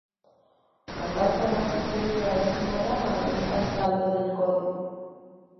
Ambas damas se echan miradas nada amables a espaldas del conde.